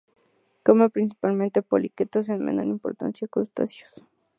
Come principalmente poliquetos, en menor importancia, crustáceos.